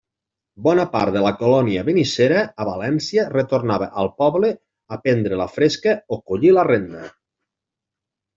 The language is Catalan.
Bona part de la colònia benissera a València retornava al poble a prendre la fresca o collir la renda.